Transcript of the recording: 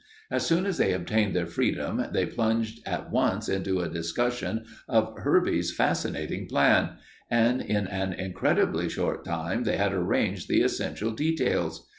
As soon as they obtained their freedom they plunged at once into a discussion of Herbie's fascinating plan, and in an incredibly short time they had arranged the essential details.